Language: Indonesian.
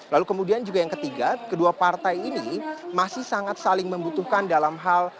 lalu kemudian juga yang ketiga kedua partai ini masih sangat saling membutuhkan dalam hal